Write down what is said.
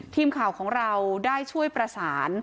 ทีมข่าวของเราได้ช่วยประสาน